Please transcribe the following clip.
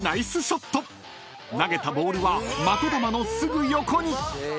［投げたボールは的球のすぐ横に！］